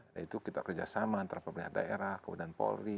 nah itu kita kerjasama antara pemerintah daerah kemudian polri